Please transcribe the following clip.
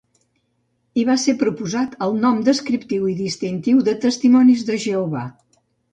Hi va ser proposat el nom descriptiu i distintiu de Testimonis de Jehovà.